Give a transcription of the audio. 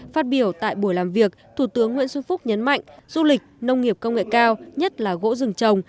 phát biểu tại buổi làm việc thủ tướng nguyễn xuân phúc nhấn mạnh du lịch nông nghiệp công nghệ cao nhất là gỗ rừng trồng